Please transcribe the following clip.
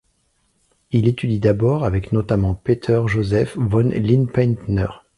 Il étudie d'abord avec notamment Peter Josef von Lindpaintner.